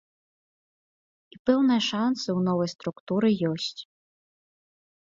І пэўныя шанцы ў новай структуры ёсць.